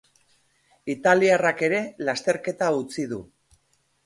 Italiarrak ere lasterketa utzi du.